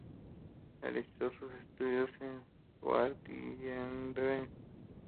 Realizó sus estudios en Stuttgart y en Dresde.